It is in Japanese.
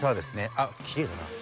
あっきれいだな。